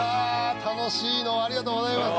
楽しいのをありがとうございます。